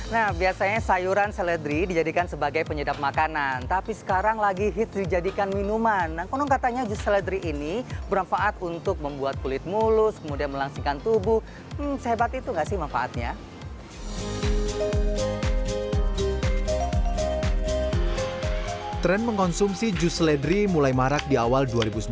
trend mengkonsumsi jus seledri mulai marak di awal dua ribu sembilan belas